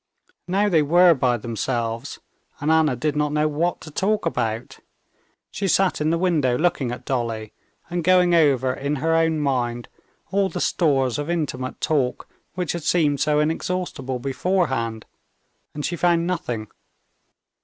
Now they were by themselves, and Anna did not know what to talk about. She sat in the window looking at Dolly, and going over in her own mind all the stores of intimate talk which had seemed so inexhaustible beforehand, and she found nothing.